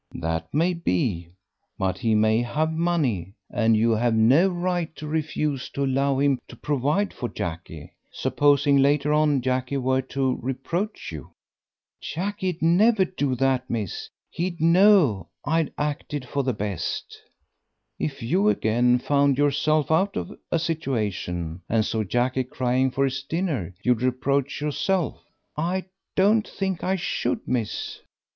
"That may be, but he may have money, and you have no right to refuse to allow him to provide for Jackie. Supposing later on Jackie were to reproach you?" "Jackie'd never do that, miss; he'd know I acted for the best." "If you again found yourself out of a situation, and saw Jackie crying for his dinner, you'd reproach yourself." "I don't think I should, miss."